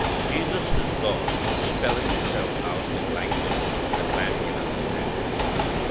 Jesus is God spelling Himself out in language that man can understand.